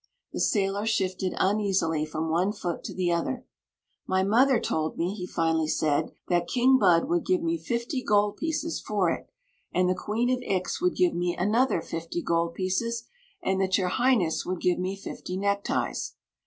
The sailor shifted unea^ly from one foot to the other. « My mother told me" he finally said, " that King Bud would give me fifty gold pieces for it, and the Queen of Ix would give me another fifty gold pieces, and that your Highness would give me fifty neckties."